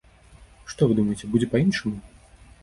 Што, вы думаеце, будзе па-іншаму?